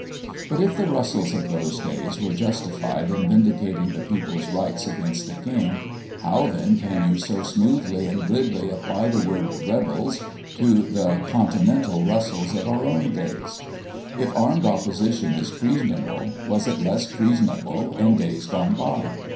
But if the Russells of those days were justified in vindicating the people's rights against the King, how then can you so smoothly and glibly apply the word "rebels" to the continental Russells of our own days? If armed opposition is treasonable, was it less treasonable in days gone by?